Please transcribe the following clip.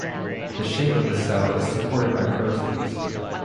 The shape of the cell is supported by proteins.